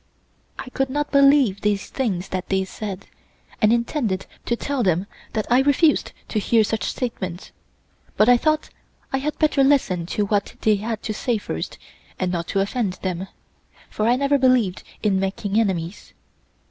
I could not believe these things that they said, and intended to tell them that I refused to hear such statements, but I thought I had better listen to what they had to say first and not to offend them, for I never believed in making enemies.